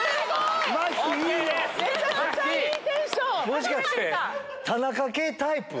もしかして。